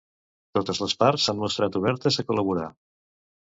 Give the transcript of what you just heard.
Totes les parts s'han mostrat obertes a col·laborar.